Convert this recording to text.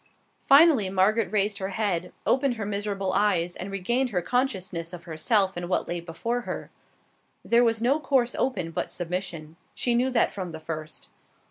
Finally Margaret raised her head, opened her miserable eyes, and regained her consciousness of herself and what lay before her. There was no course open but submission. She knew that from the first.